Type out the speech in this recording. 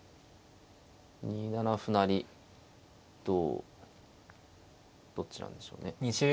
２七歩成同どっちなんでしょうね。